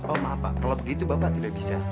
oh maaf pak kalau begitu bapak tidak bisa